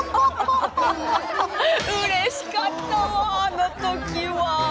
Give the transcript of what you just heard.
うれしかったわあの時は。